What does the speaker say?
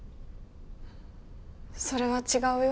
それは違うよ。